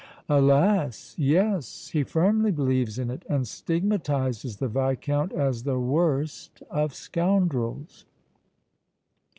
"Alas! yes; he firmly believes in it and stigmatizes the Viscount as the worst of scoundrels."